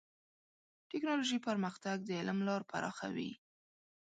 ټکنالوژي پرمختګ د تعلیم لار پراخوي.